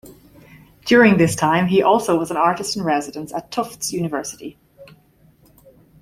During this time, he also was an artist in residence at Tufts University.